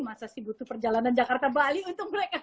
masa sih butuh perjalanan jakarta bali untuk mereka